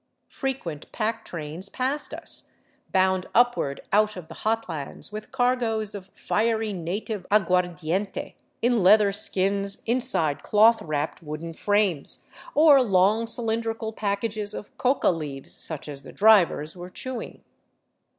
Frequent pack trains passed us, bound upward out of the hot lands with cargoes of fiery native aguar diente, in leather skins inside cloth wrapped wooden frames, or long cylindrical packages of coca leaves such as the drivers were chewing.